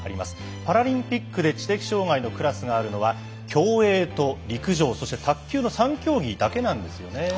パラリンピックで知的障がいのクラスがあるのは競泳と陸上そして卓球の３競技だけなんですよね。